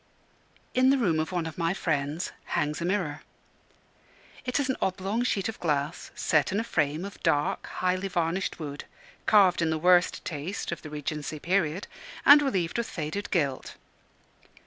In the room of one of my friends hangs a mirror. It is an oblong sheet of glass, set in a frame of dark, highly varnished wood, carved in the worst taste of the Regency period, and relieved with faded gilt.